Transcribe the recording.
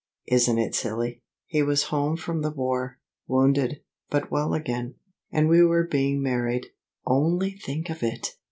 Isn't it silly? He was home from the war, wounded, but well again. And we were being married; only think of it!